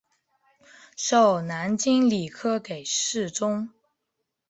授南京礼科给事中。